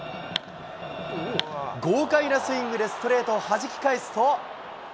豪快なスイングでストレートをはじき返すと。